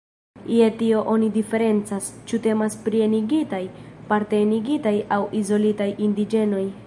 Je tio oni diferencas, ĉu temas pri "enigitaj", "parte enigitaj" aŭ "izolitaj" indiĝenoj.